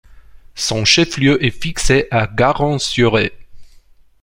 Son chef-lieu est fixé à Garencières.